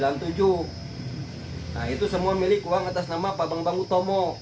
nah itu semua milik uang atas nama pak bambang utomo